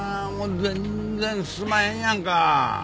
全然進まへんやんか。